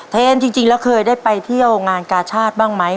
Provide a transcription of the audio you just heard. เทนจริงแล้วเคยได้ไปเที่ยวงานกาชาติบ้างไหม